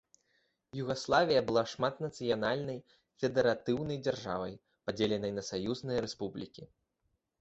Югаславія была шматнацыянальнай федэратыўнай дзяржавай, падзеленай на саюзныя рэспублікі.